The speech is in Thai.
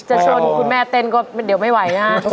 จะชนคุณแม่เต้นก็เดี๋ยวไม่ไหวนะครับ